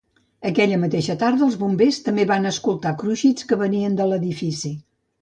Aquella mateixa tarda els bombers també van escoltar cruixits que venien de l'edifici.